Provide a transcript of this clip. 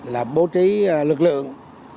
là bố trí lực lượng